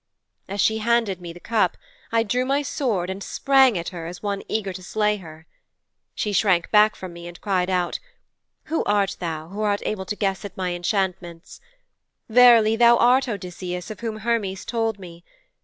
'As she handed me the cup I drew my sword and sprang at her as one eager to slay her. She shrank back from me and cried out, "Who art thou who art able to guess at my enchantments? Verily, thou art Odysseus, of whom Hermes told me.